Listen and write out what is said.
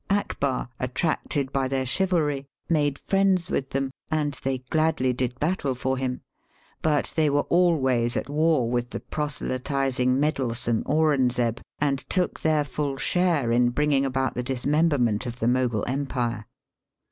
Akbar, attracted by their chivalry, made friends with Digitized by VjOOQIC 306 EAST Bt WEST. them, and they gladly did battle for him; but they were always at war with the pro selytizing, meddlesome Auranzeb, and took their full share in bringing about the dis memberment of the Mogul Empire.